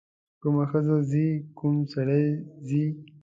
کومه ښځه ځي کوم سړی ځي.